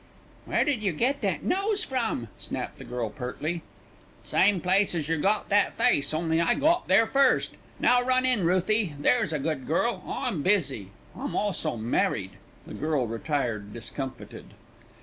"Where did you get that nose from?" snapped the girl pertly. "Same place as yer got that face, only I got there first. Now run in, Ruthie, there's a good girl. I'm busy. I'm also married." The girl retired discomfited.